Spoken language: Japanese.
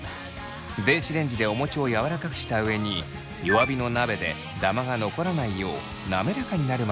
電子レンジでお餅をやわらかくした上に弱火の鍋でダマが残らならないよう滑らかになるまでのばしました。